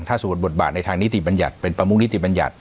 ถ้าสมมุติบทบาทในทางนิติบัญญัติเป็นประมุกนิติบัญญัติ